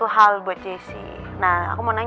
haik yang akan kita lakukan